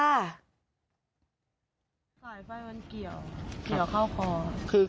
สายไฟมันเกี่ยวเกี่ยวเข้าคอ